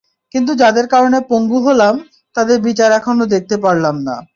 কিন্তু যাদের কারণে পঙ্গু হলাম, তাদের বিচার এখনো দেখতে পারলাম না।